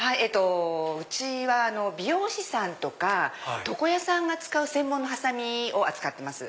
うちは美容師さんとか床屋さんが使う専門のハサミを扱ってます。